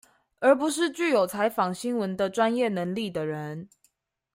而不是具有採訪新聞的專業能力的人